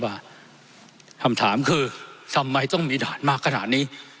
คำถามคือทำไมต้องมีด่านมากขนาดนี้